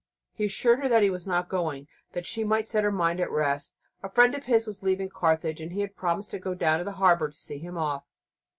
He assured her that he was not going, that she might set her mind at rest. A friend of his was leaving Carthage, and he had promised to go down to the harbour to see him off.